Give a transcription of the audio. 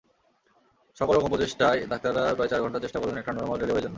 সকল রকম প্রচেষ্টায় ডাক্তাররা প্রায় চার ঘণ্টা চেষ্টা করলেন একটা নরমাল ডেলিভারির জন্য।